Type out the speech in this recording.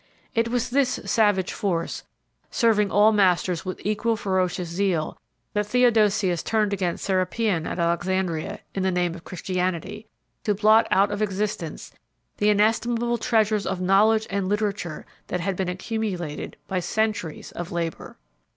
It was this savage force, serving all masters with equal ferocious zeal, that Theodosius turned against the Serapion at Alexandria, in the name of Christianity, to blot out of existence the inestimable treasures of knowledge and literature that had been accumulated by centuries of labor.